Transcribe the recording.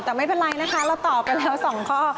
แต่ไม่เป็นไรนะคะเราตอบไปแล้ว๒ข้อ